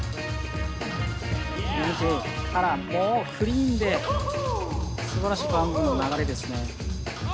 １９９０から、もうクリーンですばらしい流れですね。